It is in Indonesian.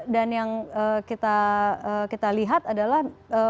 dan yang kita lihat adalah